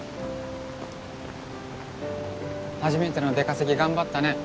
初めての出稼ぎ頑張ったね。